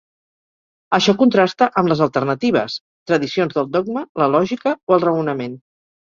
Això contrasta amb les alternatives: tradicions del dogma, la lògica o el raonament.